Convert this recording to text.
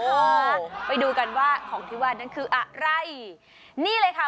เออไปดูกันว่าของที่ว่านั้นคืออะไรนี่เลยค่ะ